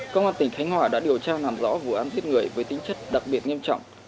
công an tỉnh khánh hòa đã điều tra làm rõ vụ án giết người với tính chất đặc biệt nghiêm trọng